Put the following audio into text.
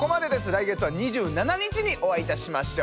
来月は２７日にお会いいたしましょう。